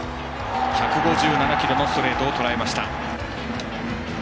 １５７キロのストレートをとらえました。